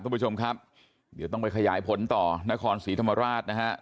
ทุกผู้ชมครับจะต้องไปขยายผลต่อนครสีธรรมราชนะฮะ